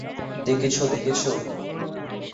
দেখেছো, দেখেছো?